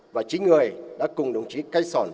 và chính người đã cùng đồng chí cây sòn